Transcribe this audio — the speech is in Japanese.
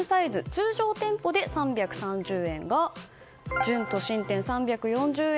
通常店舗で３３０円が準都心店、３４０円